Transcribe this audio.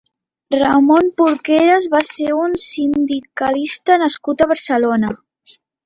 Ramon Porqueras va ser un sindicalista nascut a Barcelona.